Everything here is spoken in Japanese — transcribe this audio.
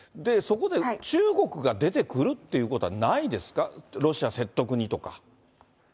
そこで、中国が出てくるっていうことはないですか、ロシア説得にとか。